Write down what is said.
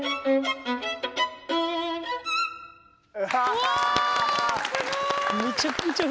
うわすごい！